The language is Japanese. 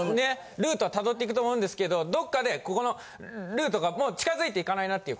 ルートは辿っていくと思うんですけどどっかでここのルートがもう近づいていかないなっていう